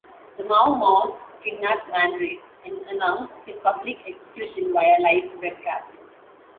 The Mau Maus kidnap Manray and announce his public execution via live webcast.